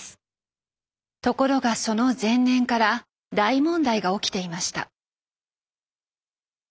ところがその前年から大問題が起きていました。